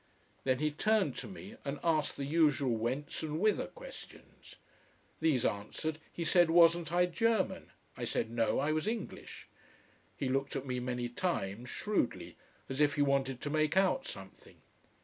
Then he turned to me and asked the usual whence and whither questions. These answered, he said wasn't I German. I said No, I was English. He looked at me many times, shrewdly, as if he wanted to make out something.